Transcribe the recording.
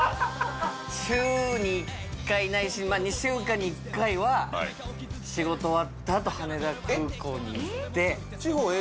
週に１回ないしまあ２週間に１回ははい仕事終わったあと羽田空港に行ってえっ！？